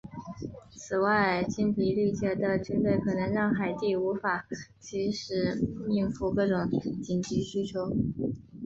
此外精疲力竭的军队可能让海地无法即时应付各种紧急需求。